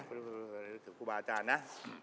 ไม่รู้คือคุณบาอาจารย์นะ